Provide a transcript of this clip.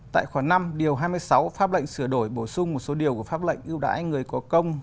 tại khoảng năm điều hai mươi sáu pháp lệnh sửa đổi bổ sung một số điều của pháp lệnh ưu đãi người có công